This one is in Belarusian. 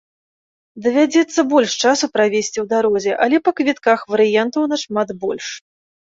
Давядзецца больш часу правесці ў дарозе, але па квітках варыянтаў нашмат больш.